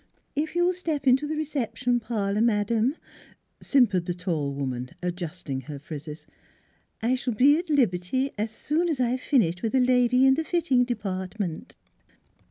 " If you'll step into the reception parlor, madame," simpered the tall woman, adjusting her frizzes, " I shall be at liberty, as soon as I've fin ished with a lady in the fitting department."